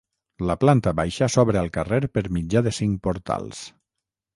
La planta baixa s'obre al carrer per mitjà de cinc portals.